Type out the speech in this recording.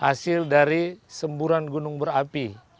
hasil dari semburan gunung berapi